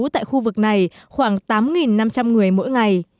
tại khu vực này khoảng tám năm trăm linh người mỗi ngày